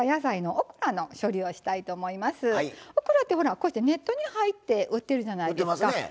オクラってこうしてネットに入って売ってるじゃないですか。